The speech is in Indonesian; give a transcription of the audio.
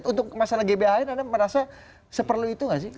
untuk masalah gbhn anda merasa seperlu itu nggak sih